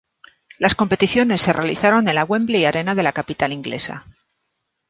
Las competiciones se realizaron en la Wembley Arena de la capital inglesa.